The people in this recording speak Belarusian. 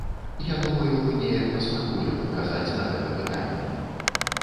Я думаю, мы неяк паспрабуем адказаць на гэта пытанне.